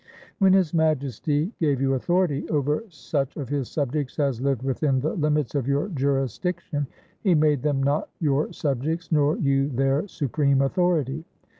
When His Majestie gave you authoritie over such of his subjects as lived within the limits of your jurisdiction, he made them not your subjects nor you their supream authority."